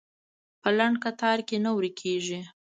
په لنډ کتار کې نه ورکېږي.